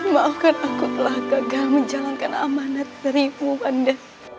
maafkan aku telah gagal menjalankan amanat dari ibu anda